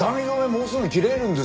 もうすぐ切れるんですよ。